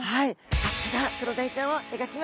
さあそれではクロダイちゃんを描きました。